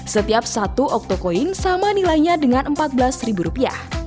setiap satu octocoin sama nilainya dengan empat belas rupiah